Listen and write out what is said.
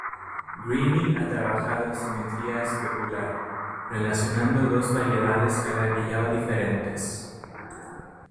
Greene ha trabajado en simetría especular, relacionando dos variedades Calabi-Yau diferentes.